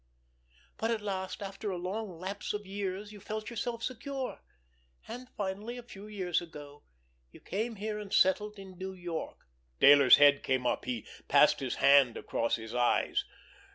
But at last, with the long lapse of years, you felt yourself secure; and finally, a few years ago, you came here and settled in New York." Dayler's head came up. He passed his hand across his eyes.